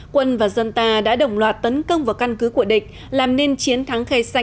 quân và dân ta đã đồng loạt tấn công vào căn cứ của địch làm nên chiến thắng khe xanh